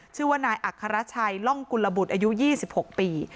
ชื่อว่านายอัครชัยร่องกุลบุตรอายุ๒๖ปี